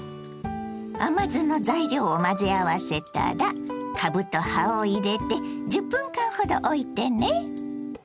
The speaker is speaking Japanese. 甘酢の材料を混ぜ合わせたらかぶと葉を入れて１０分間ほどおいてね。